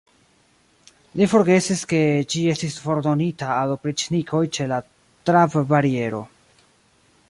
Li forgesis, ke ĝi estis fordonita al opriĉnikoj ĉe la trabbariero.